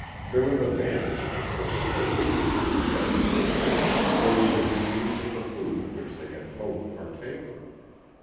There were the bandages it was her duty to adjust. There were the remains of the food of which they had both partaken.